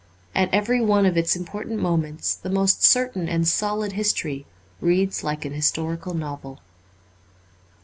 At every one of its important moments the most certain and solid history reads like an historical novel.